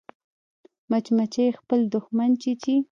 مچمچۍ خپل دښمن چیچي